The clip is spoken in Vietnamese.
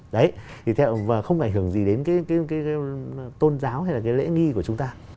đấy thì không ảnh hưởng gì đến cái tôn giáo hay là cái lễ nghi của chúng ta